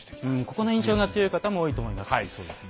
ここの印象が強い方も多いと思います。